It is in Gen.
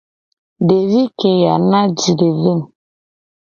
Devi keya na ji le ve mu.